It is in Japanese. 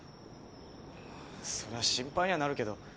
そりゃ心配にはなるけど。